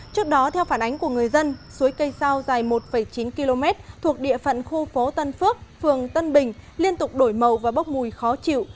trước đó theo phản ánh của người dân suối cây sao dài một chín km thuộc địa phận khu phố tân phước phường tân bình liên tục đổi màu và bốc mùi khó chịu